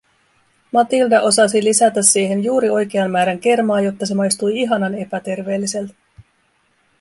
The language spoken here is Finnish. Matilda osasi lisätä siihen juuri oikean määrän kermaa, jotta se maistui ihanan epäterveelliseltä.